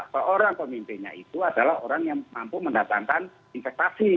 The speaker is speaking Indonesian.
seorang pemimpinnya itu adalah orang yang mampu mendatangkan investasi